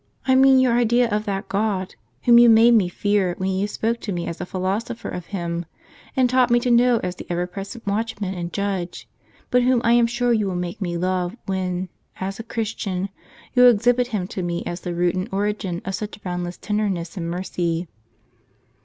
" I mean, your idea of that God, whom you made me fear, when you spoke to me as a philosopher of Him, and taught me to know as the ever present watchman and judge; but whom I am sure you will make me love when, as a Christian, you exhibit Him to me as the root and origin of such bound less tenderness and mercy.